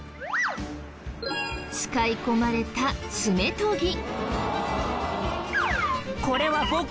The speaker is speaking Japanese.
使い込まれた爪研ぎ。